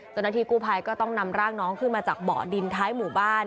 เจ้าหน้าที่กู้ภัยก็ต้องนำร่างน้องขึ้นมาจากเบาะดินท้ายหมู่บ้าน